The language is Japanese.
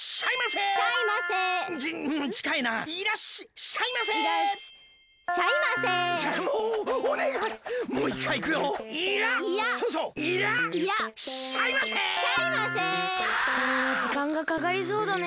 これはじかんがかかりそうだね。